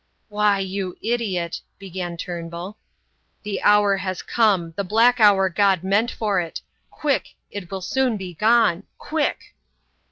"Why, you idiot," began Turnbull. "The hour has come the black hour God meant for it. Quick, it will soon be gone. Quick!"